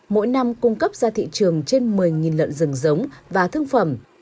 mỗi năm cung cấp ra thị trường trên một mươi lợn rừng giống và thương phẩm